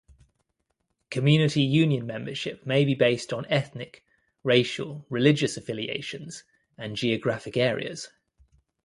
Community union membership may be based on ethnic, racial, religious affiliations and geographic areas.